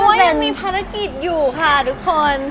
ยังมีภารกิจอยู่ค่ะทุกคน